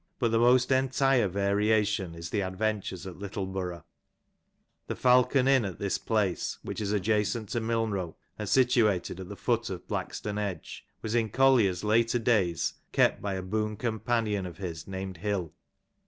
But the most entire variation is in the adventures at Littleborough. The Falcon Inn at this place, which is adjacent to Milnrow and situated at the foot of Blackstone Edge, was in Collier's later days kept by a boon com 62 ON THE SOUTH LANCASHIRE DIALECT. panioQ of his named Hill.